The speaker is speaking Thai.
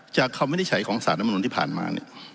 จากความวินิจฉัยของสารรำนูนที่ผ่านมา